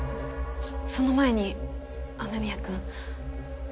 その前に雨宮くん。